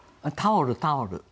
タオルタオル。